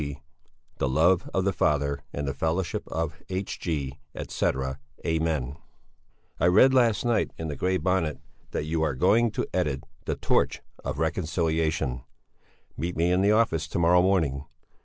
C., the love of the father and the fellowship of the H. G., etc., Amen. I read last night in the Grey Bonnet that you are going to edit the Torch of Reconciliation. Meet me in my office to morrow morning.